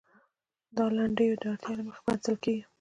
دا لیندیو د اړتیا له مخې پرانیستل کېږي.